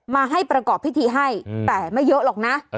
มาให้ประกอบพิธีให้แต่ไม่เยอะหรอกนะ